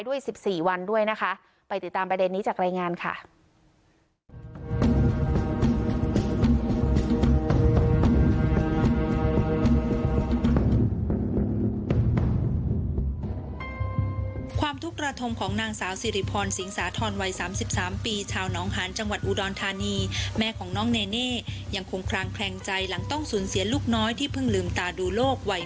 ด้วย๑๔วันด้วยนะคะไปติดตามประเด็นนี้จากรายงานค่ะ